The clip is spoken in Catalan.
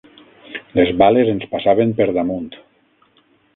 Les bales ens passaven per damunt